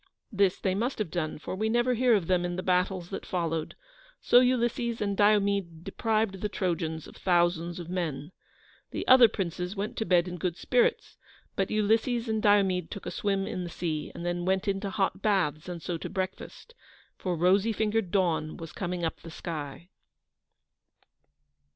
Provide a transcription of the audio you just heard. This they must have done, for we never hear of them in the battles that followed, so Ulysses and Diomede deprived the Trojans of thousands of men. The other princes went to bed in good spirits, but Ulysses and Diomede took a swim in the sea, and then went into hot baths, and so to breakfast, for rosy fingered Dawn was coming up the sky.